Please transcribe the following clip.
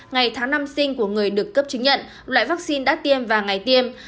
ngày tháng năm sinh của người được cấp chứng nhận loại vaccine đã tiêm vài ngày tiêm